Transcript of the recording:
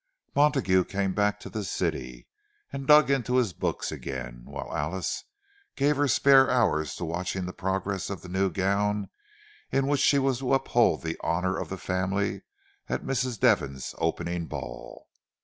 Montague came back to the city, and dug into his books again; while Alice gave her spare hours to watching the progress of the new gown in which she was to uphold the honour of the family at Mrs. Devon's opening ball.